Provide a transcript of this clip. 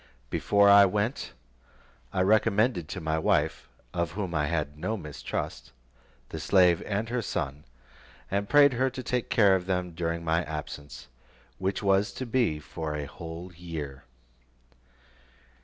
Before I went, I recommended to my wife, of whom I had no mistrust, the slave and her son, and prayed her to take care of them during my absence, which was to be for a whole year.